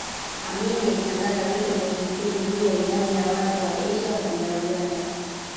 Amin alitangaza vita vya kiuchumi juu ya idadi ya watu wa Asia ya Uganda